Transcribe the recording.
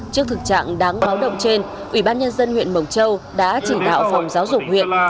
trước thực trạng đáng báo động trên ubnd huyện mộc châu đã chỉ đạo phòng giáo dục huyện